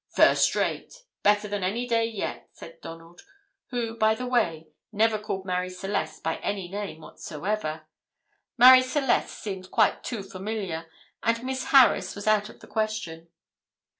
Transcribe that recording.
"First rate; better than any day yet," said Donald, who, by the way, never called Marie Celeste by any name whatsoever "Marie Celeste" seemed quite too familiar, and "Miss Harris" was out of the question.